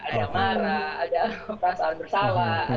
ada marah ada perasaan bersalah